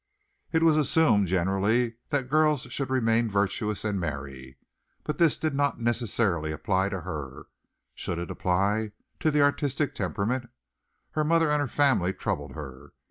It was assumed generally that girls should remain virtuous and marry, but this did not necessarily apply to her should it apply to the artistic temperament? Her mother and her family troubled her.